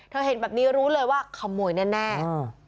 เห็นแบบนี้รู้เลยว่าขโมยแน่